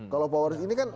kalau power ini kan